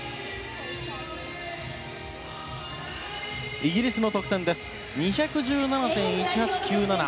イギリスの得点です。２１７．１８９７。